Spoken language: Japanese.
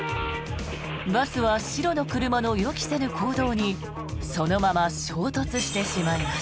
バスは白の車の予期せぬ行動にそのまま衝突してしまいます。